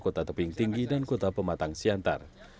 kota teping tinggi dan kota pematang siantar